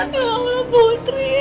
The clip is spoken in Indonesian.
ya allah putri